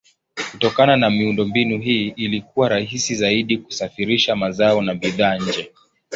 Kutokana na miundombinu hii ilikuwa rahisi zaidi kusafirisha mazao na bidhaa nje.